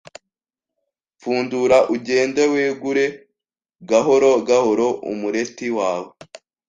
pfundura ugende wegura gahoro gahoro umureti wawe